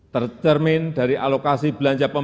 tertermin dari alokasi belanja penduduk